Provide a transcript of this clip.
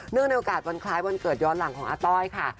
ในโอกาสวันคล้ายวันเกิดย้อนหลังของอาต้อยค่ะ